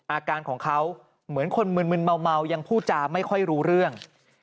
อาการของเขาเหมือนคนมึนเมายังพูดจาไม่ค่อยรู้เรื่อง